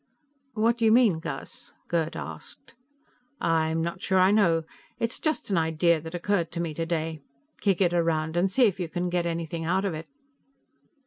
"What do you mean, Gus?" Gerd asked. "I'm not sure I know. It's just an idea that occurred to me today. Kick it around and see if you can get anything out of it."